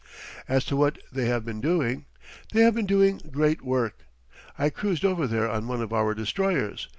As to what they have been doing! They have been doing great work. I cruised over there on one of our destroyers.